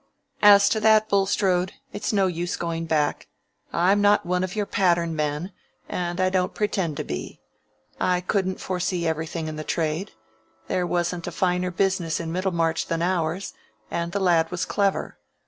"As to that, Bulstrode, it's no use going back. I'm not one of your pattern men, and I don't pretend to be. I couldn't foresee everything in the trade; there wasn't a finer business in Middlemarch than ours, and the lad was clever.